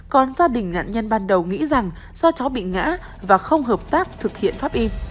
còn gia đình nạn nhân ban đầu nghĩ rằng do chó bị ngã và không hợp tác thực hiện pháp y